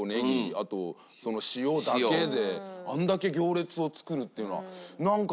あと塩だけであれだけ行列を作るっていうのは。